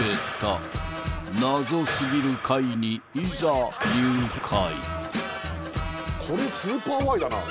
［謎過ぎる会にいざ入会！］